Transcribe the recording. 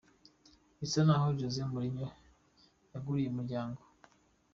Bisa naho Jose Mourinho yuguruye umuryango.